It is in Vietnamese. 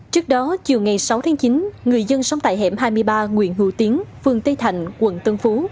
trước đó chiều ngày sáu tháng chín người dân sống tại hẻm hai mươi ba nguyễn hữu tiến phường tây thạnh quận tân phú